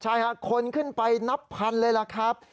ใช่ค่ะคนขึ้นไปนับพันเลยล่ะครับ